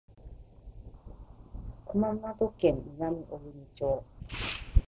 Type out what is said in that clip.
熊本県南小国町